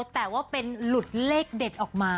แต่ว่าเป็นหลุดเลขเด็ดออกมา